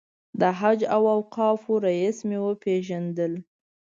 د حج او اوقافو رییس مې پېژندل.